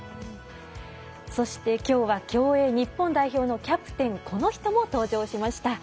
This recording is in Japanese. そして、きょうは競泳日本代表のキャプテンこの人も登場しました。